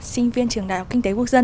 sinh viên trường đại học kinh tế quốc dân